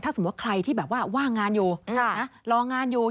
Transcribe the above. ถ้าสมมุติว่าถ้าใครที่ว่างานอยู่รองานอยู่